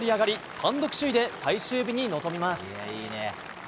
単独首位で最終日に臨みます。